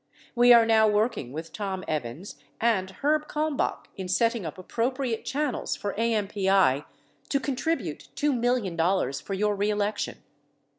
We are now working with Tom Evans and Herb Kalmbach in setting up appropriate channels for AMPI to contribute $2 million for your reelec tion.